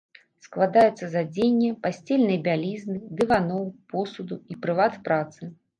Складаецца з адзення, пасцельнай бялізны, дываноў, посуду і прылад працы.